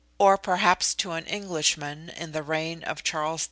or perhaps to an Englishman in the reign of Charles II.